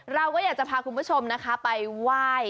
เราก็อยากจะพาคุณผู้ชมนะคะไปไหว้